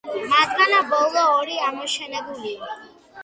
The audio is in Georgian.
მათგან ბოლო ორი ამოშენებულია.